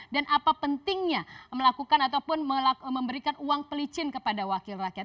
dan apa pentingnya melakukan ataupun memberikan uang pelicin kepada wakil rakyat